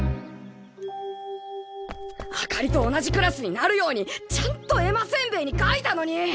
あかりと同じクラスになるようにちゃんと絵馬せんべいに書いたのに！